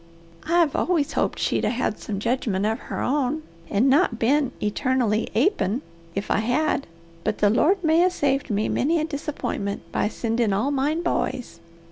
I've always hoped she'd 'a' had some jedgment of her own, and not been eternally apin', if I had, but the Lord may 'a' saved me many a disappointment by sendin' all mine boys.